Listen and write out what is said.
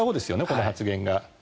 この発言が。